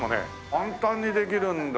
簡単にできるんだ。